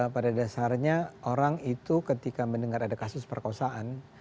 pada dasarnya orang itu ketika mendengar ada kasus perkosaan